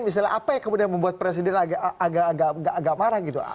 misalnya apa yang kemudian membuat presiden agak marah gitu